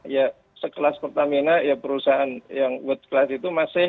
ya sekelas pertamina ya perusahaan yang kelas itu masih